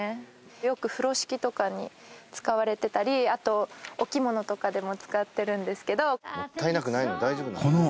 よく風呂敷とかに使われてたりあとお着物とかでも使ってるんですけどもったいなくないの大丈夫なの？